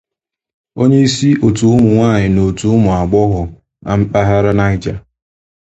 onyeisi otu ụmụnwaanyị na òtù ụmụagbọghọ na mpaghara Niger